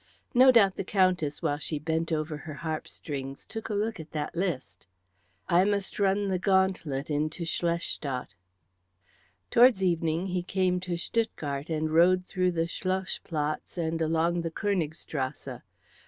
No doubt the Countess while she bent over her harp strings took a look at that list. I must run the gauntlet into Schlestadt." Towards evening he came to Stuttgart and rode through the Schloss Platz and along the Königstrasse.